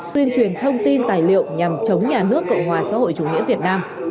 tuyên truyền thông tin tài liệu nhằm chống nhà nước cộng hòa xã hội chủ nghĩa việt nam